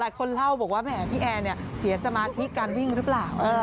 คนเล่าบอกว่าแหมพี่แอร์เนี่ยเสียสมาธิการวิ่งหรือเปล่า